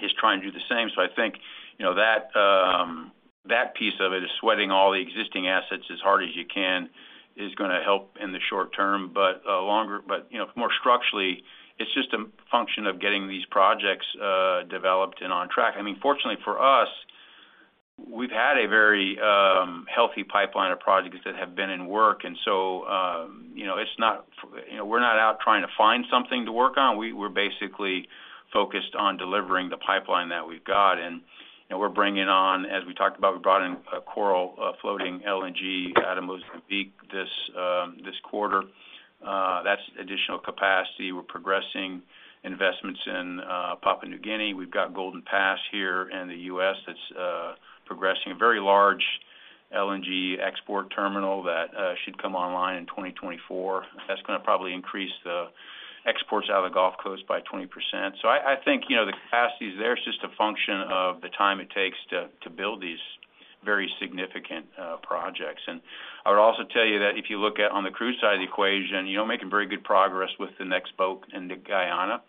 is trying to do the same. I think, you know, that piece of it is sweating all the existing assets as hard as you can is gonna help in the short term. You know, more structurally, it's just a function of getting these projects developed and on track. I mean, fortunately for us, we've had a very healthy pipeline of projects that have been in work. You know, we're not out trying to find something to work on. We're basically focused on delivering the pipeline that we've got. You know, we're bringing on, as we talked about, we brought in a Coral South floating LNG out of Mozambique this quarter. That's additional capacity. We're progressing investments in Papua New Guinea. We've got Golden Pass here in the U.S. that's progressing. A very large LNG export terminal that should come online in 2024. That's gonna probably increase the exports out of the Gulf Coast by 20%. I think, you know, the capacity is there. It's just a function of the time it takes to build these very significant projects. I would also tell you that if you look at on the crude side of the equation, you know, making very good progress with the next boat into Guyana.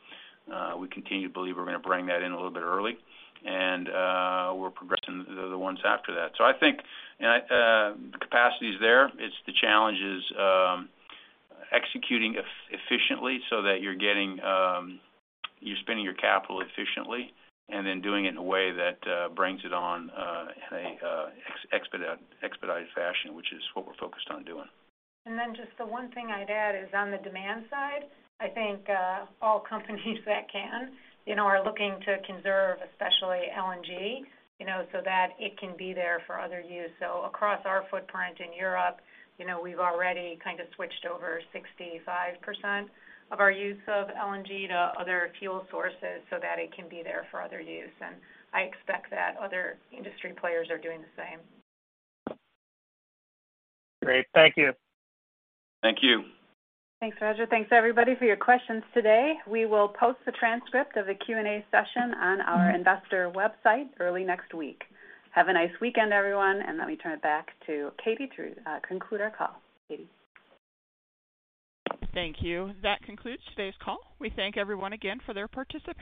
We continue to believe we're gonna bring that in a little bit early. We're progressing the ones after that. I think the capacity is there. It's the challenges, executing efficiently so that you're getting, you're spending your capital efficiently, and then doing it in a way that brings it on in a expedited fashion, which is what we're focused on doing. Just the one thing I'd add is on the demand side, I think, all companies that can, you know, are looking to conserve, especially LNG, you know, so that it can be there for other use. Across our footprint in Europe, you know, we've already kind of switched over 65% of our use of LNG to other fuel sources so that it can be there for other use. I expect that other industry players are doing the same. Great. Thank you. Thank you. Thanks, Roger. Thanks everybody for your questions today. We will post the transcript of the Q&A session on our investor website early next week. Have a nice weekend, everyone, and let me turn it back to Katie to conclude our call. Katie. Thank you. That concludes today's call. We thank everyone again for their participation